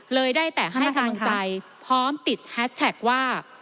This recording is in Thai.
เลยได้แต่ให้ธรรมใจพร้อมติดแฮชแท็กว่า